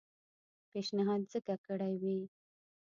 پېشنهاد ځکه کړی وي.